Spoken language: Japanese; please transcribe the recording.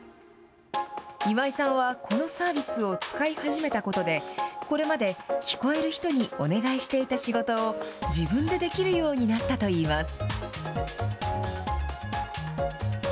今井さんはこのサービスを使い始めたことで、これまで聞こえる人にお願いしていた仕事を自分でできるようになったといいます。